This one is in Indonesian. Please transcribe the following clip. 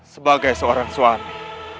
sebagai seorang suami